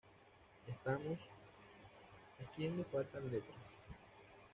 ¿ estamos? ¿ a quien le faltan letras?